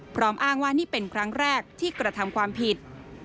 อ้างว่านี่เป็นครั้งแรกที่กระทำความผิด